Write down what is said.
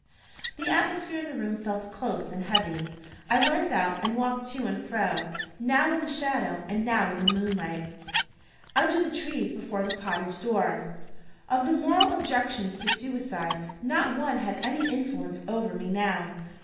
The atmosphere in the room felt close and heavy. I went out, and walked to and fro now in the shadow, and now in the moonlight under the trees before the cottage door. Of the moral objections to suicide, not one had any influence over me now.